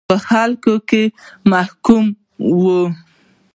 په خلکو کې محکوموي.